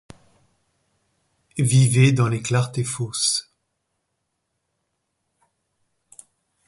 Vivez dans les clartés fausses